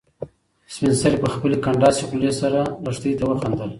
سپین سرې په خپلې کنډاسې خولې سره لښتې ته وخندل.